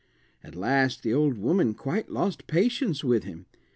At last the old woman quite lost patience with him.